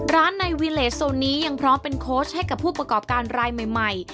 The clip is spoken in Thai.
ในวิเลสโซนนี้ยังพร้อมเป็นโค้ชให้กับผู้ประกอบการรายใหม่